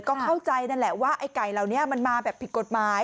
ก็เข้าใจนั่นแหละว่าไอ้ไก่เหล่านี้มันมาแบบผิดกฎหมาย